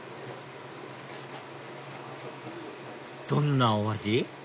どんなお味？